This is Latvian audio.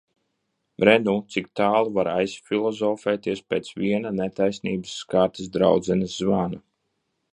Re nu, cik tālu var aizfilozofēties pēc viena netaisnības skartas draudzenes zvana.